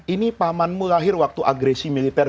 ini pamanmu lahir waktu agresi militer